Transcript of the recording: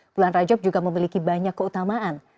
bulan rajab juga memiliki banyak keutamaan